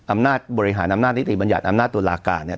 อำนาจบริหารอำนาจนิติบัญญัติอำนาจตุลาการเนี่ย